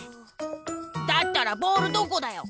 だったらボールどこだよ？